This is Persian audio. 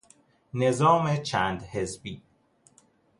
نظام چند حزبی